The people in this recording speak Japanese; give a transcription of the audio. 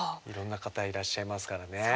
いろんな方いらっしゃいますからね。